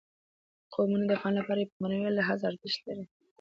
قومونه د افغانانو لپاره په معنوي لحاظ ارزښت لري.